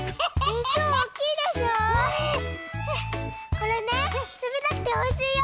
これねつめたくておいしいよ。